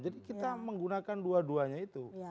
jadi kita menggunakan dua duanya itu